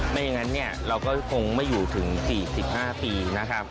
ไม่อย่างนั้นเราก็คงไม่อยู่ถึง๔๕ปีนะครับ